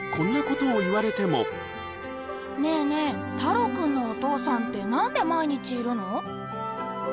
ねえねえ、太郎君のお父さんて、なんで毎日いるの？